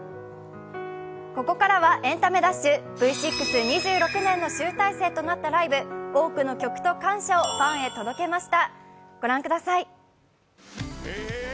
ここからは「エンタメダッシュ」Ｖ６、２６年の集大成となったライブ多くの曲と感謝をファンへ届けました。